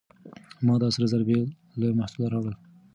ما دا سره زر بې له محصوله راوړل.